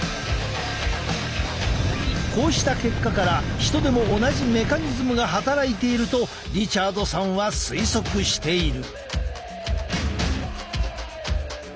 こうした結果から人でも同じメカニズムが働いているとリチャードさんは推測している。